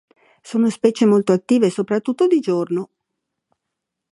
Sono specie molto attive, soprattutto di giorno.